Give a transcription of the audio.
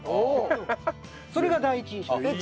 それが第一印象ですね。